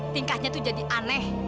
tingkahnya tuh jadi aneh